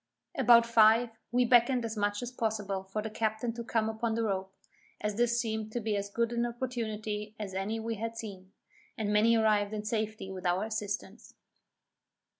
About five, we beckoned as much as possible for the captain to come upon the rope, as this seemed to be as good an opportunity as any we had seen; and many arrived in safety with our assistance.